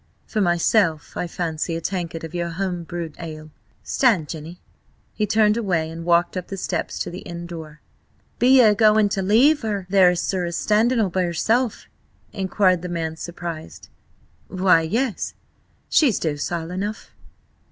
For myself I fancy a tankard of your home brewed ale. Stand, Jenny!" He turned away and walked up the steps to the inn door. "Be you a going to leave her there, sir–a standing all by herself?" inquired the man, surprised. "Why, yes! She's docile enough."